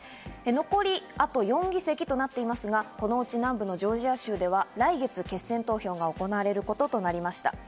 残りあと４議席となっていますが、このうち南部のジョージア州では来月、決選投票が行われることとなりました。